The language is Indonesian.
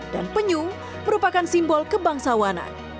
dan penyum merupakan simbol kebangsawanan